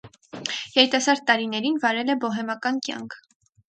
Երիտասարդ տարիներին վարել է բոհեմական կյանք։